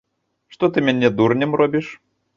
Што ты мяне дурнем робіш?!